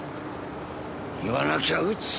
言わなきゃ撃つ！